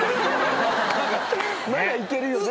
まだ行けるよね。